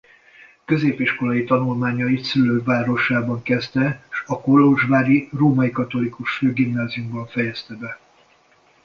Középiskolai tanulmányait szülővárosában kezdte s a kolozsvári Római Katolikus Főgimnáziumban fejezte be.